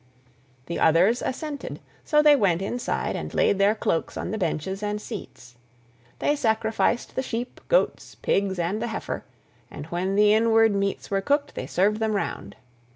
The others assented, so they went inside and laid their cloaks on the benches and seats. They sacrificed the sheep, goats, pigs, and the heifer, and when the inward meats were cooked they served them round.